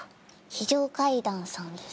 非常階段さんです。